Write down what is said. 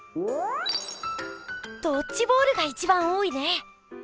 「ドッジボール」が一番多いね。